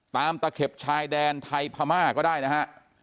ตะเข็บชายแดนไทยพม่าก็ได้นะฮะ